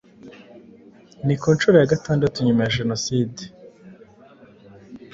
Ni ku nshuro ya Gatandatu nyuma ya Jenoside